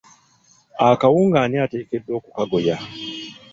Akawunga ani ateekeddwa okukagoya?